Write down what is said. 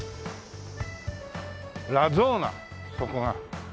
ラゾーナそこが。